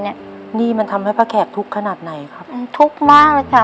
หนี้มันทำให้พระแขกทุกขนาดไหนครับทุกข์มากเลยค่ะ